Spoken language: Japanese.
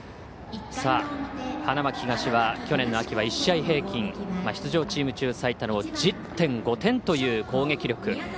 花巻東は、去年の秋は１試合平均、出場チーム中最多の１０．５点という攻撃力。